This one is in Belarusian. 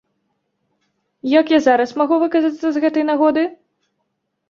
Як я зараз магу выказацца з гэтай нагоды?